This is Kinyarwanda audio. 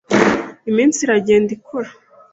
Iminsi iragenda ikura.